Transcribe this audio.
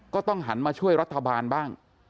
ก็ต้องหันมาช่วยรัฐบาลบ้าง